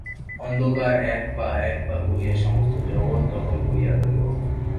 অন্ধকার এক পা এক পা করিয়া সমস্ত জগৎ দখল করিয়া লইল।